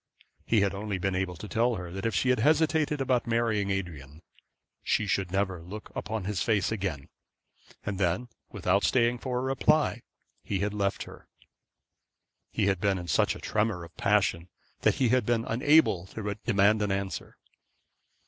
He had only been able to tell her that if she hesitated about marrying Adrian she should never look upon his face again; and then without staying for a reply he had left her. He had been in such a tremor of passion that he had been unable to demand an answer.